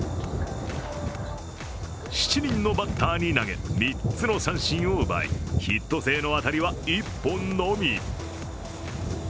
７人のバッターに投げ３つの三振を奪いヒット性の当たりは１本のみ。